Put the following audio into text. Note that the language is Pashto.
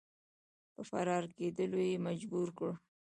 په فرار کېدلو یې مجبور کړ.